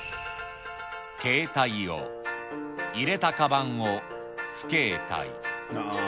ケイタイを入れたかばんを不携帯。